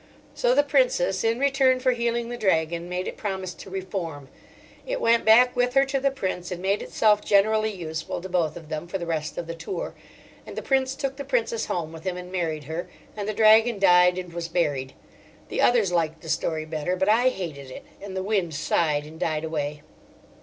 So the Princess in return for healing the Dragon made it promise to reform. It went back with her to the Prince, and made itself generally useful to both of them for the rest of the tour. And the Prince took the Princess home with him and married her; and the Dragon died and was buried. The others liked the story better, but I hated it; and the wind sighed and died away.